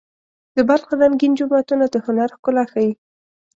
د بلخ رنګین جوماتونه د هنر ښکلا ښيي.